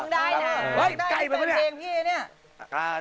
ได้เป็นเพลงพี่เนี่ย